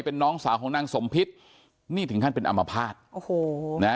เป็นน้องสาวของนางสมพิษนี่ถึงขั้นเป็นอัมพาตโอ้โหนะฮะ